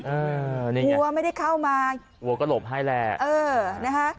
เออนี่วัวไม่ได้เข้ามาวัวก็หลบให้แหละเออนะฮะ